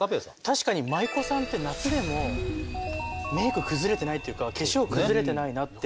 確かに舞妓さんって夏でもメーク崩れてないっていうか化粧崩れてないなって。